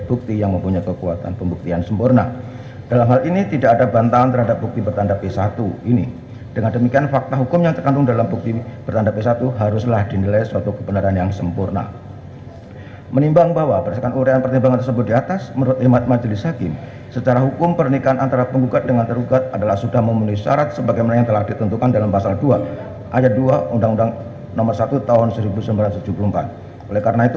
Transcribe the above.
pertama penggugat akan menerjakan waktu yang cukup untuk menerjakan si anak anak tersebut yang telah menjadi ilustrasi